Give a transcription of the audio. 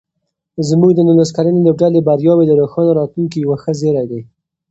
زموږ د نولس کلنې لوبډلې بریاوې د روښانه راتلونکي یو ښه زېری دی.